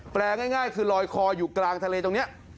ง่ายคือลอยคออยู่กลางทะเลตรงนี้